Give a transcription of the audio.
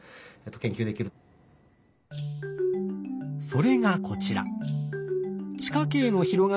それがこちら。